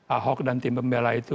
ahok dan tim pembela itu